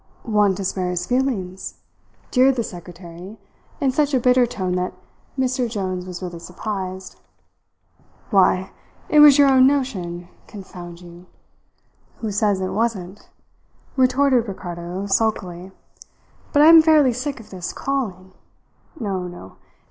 "Want to spare his feelings?" jeered the secretary in such a bitter tone that Mr. Jones was really surprised. "Why, it was your own notion, confound you!" "Who says it wasn't?" retorted Ricardo sulkily. "But I am fairly sick of this crawling. No! No!